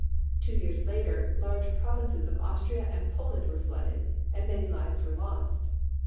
Two years later, large provinces in Austria and Poland were flooded, and many lives were lost.